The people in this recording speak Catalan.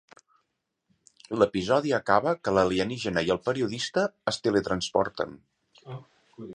L'episodi acaba que l'alienígena i el periodista es teletransporten.